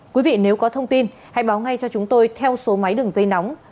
quý vị nếu có thông tin hãy báo ngay cho chúng tôi theo số máy đường dây nóng